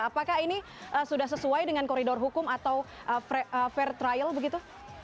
apakah ini sudah sesuai dengan koridor hukum atau fair trial begitu